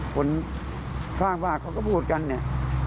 คนข้างบ้านเขาก็พูดกันเนี่ย